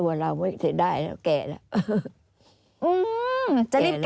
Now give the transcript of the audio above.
อันดับ๖๓๕จัดใช้วิจิตร